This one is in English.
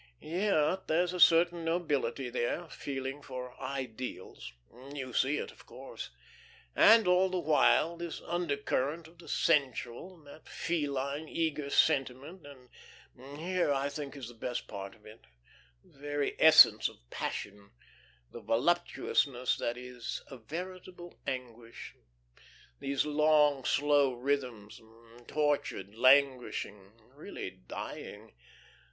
Yet there's a certain nobility there, a feeling for ideals. You see it, of course.... And all the while this undercurrent of the sensual, and that feline, eager sentiment ... and here, I think, is the best part of it, the very essence of passion, the voluptuousness that is a veritable anguish.... These long, slow rhythms, tortured, languishing, really dying.